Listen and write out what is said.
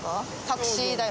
タクシー代。